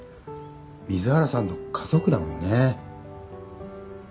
水原さんの家族だもんね。